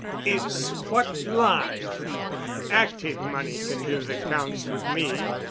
It's what live, active money can do that counts with me.